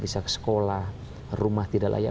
bisa ke sekolah rumah tidak layak